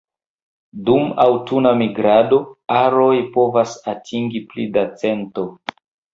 Dum aŭtuna migrado aroj povas atingi pli da cento.